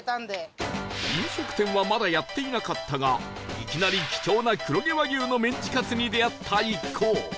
飲食店はまだやっていなかったがいきなり貴重な黒毛和牛のメンチカツに出会った一行